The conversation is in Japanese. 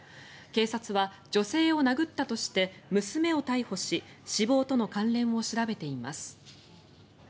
警察は女性を殴ったとして娘を逮捕し死亡との関連を調べています。